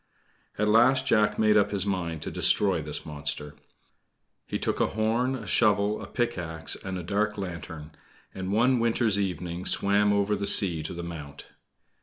At last Jack made up his mind to destroy this monster. He took a horn, a shovel, a pickaxe, and a dark lantern, and one winter's evening swam over the sea to the Mount.